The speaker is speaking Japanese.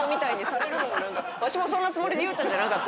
わしもそんなつもりで言うたんじゃなかった。